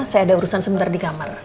saya ada urusan sebentar di kamar